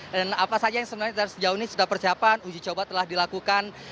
dan apa saja yang sebenarnya sejauh ini sudah persiapan uji coba telah dilakukan